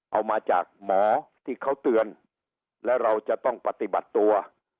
เอามาจากหมอที่เขาเตือนและเราจะต้องปฏิบัติตัว